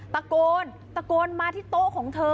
ตะโกนตะโกนมาที่โต๊ะของเธอ